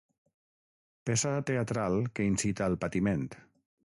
Peça teatral que incita al patiment.